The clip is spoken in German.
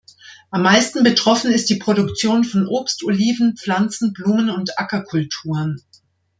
Am meisten betroffen ist die Produktion von Obst, Oliven, Pflanzen, Blumen und Ackerkulturen.